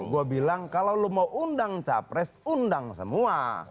gue bilang kalau lo mau undang capres undang semua